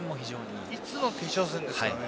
いつの決勝戦ですかね。